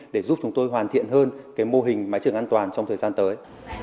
để giúp chúng tôi hoàn thiện hơn mô hình máy trường an toàn trong thời gian tới